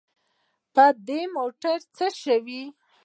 په دې موټر څه شوي.